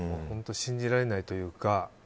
信じられないというか。